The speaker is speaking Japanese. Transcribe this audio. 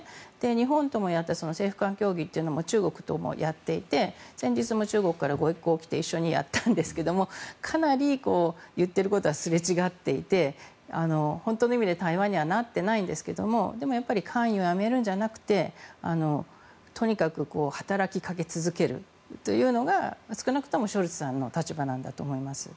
日本ともやった政府間協議を中国ともやっていて先日も中国からご一行が来て一緒にやったんですがかなり言っていることはすれ違っていて本当の意味で対話にはなっていないんですがでも、やっぱり関与をやめるんじゃなくてとにかく働きかけ続けるというのが少なくともショルツさんの立場なんだと思います。